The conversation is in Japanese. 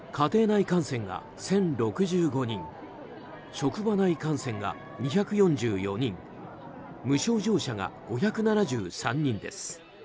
職場内感染が２４４人無症状者が５７３人です。